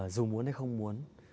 dù muốn hay không muốn